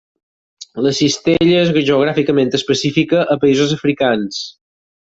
La cistella és geogràficament específica a països africans.